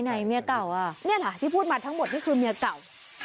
ไหนเมียเก่าอ่ะนี่แหละที่พูดมาทั้งหมดนี่คือเมียเก่า